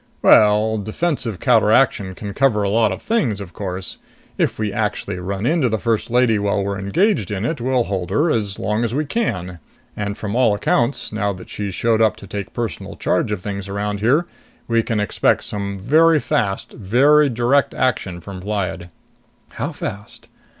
"Well, defensive counteraction can cover a lot of things, of course. If we actually run into the First Lady while we're engaged in it, we'll hold her as long as we can. And from all accounts, now that she's showed up to take personal charge of things around here, we can expect some very fast, very direct action from Lyad." "How fast?"